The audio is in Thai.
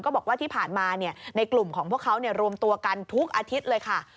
บอกว่าที่ผ่านมาในกลุ่มของพวกเขารวมตัวกันทุกอาทิตย์เลยค่ะ